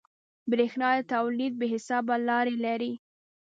برېښنا د تولید بې حسابه لارې لري.